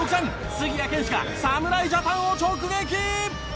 杉谷拳士が侍ジャパンを直撃！